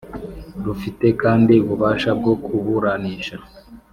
Rufite kandi ububasha bwo kuburanisha